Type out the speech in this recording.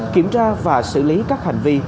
kiểm tra và xử lý các hành vi